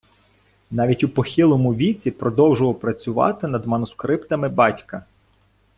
Навіть у похилому віці продовжував працювати над манускриптами батька.